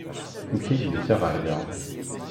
Amek ay d-nusa ɣer da?